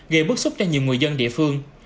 gây bức xúc cho nhiều người dân địa phương